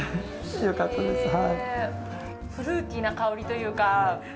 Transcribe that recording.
フルーティーな香りというか。